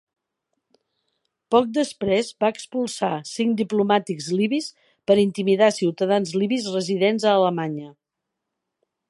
Poc després, va expulsar cinc diplomàtics libis per intimidar ciutadans libis residents a Alemanya.